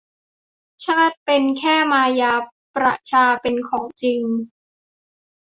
ชาติเป็นแค่มายาประชาเป็นของจริง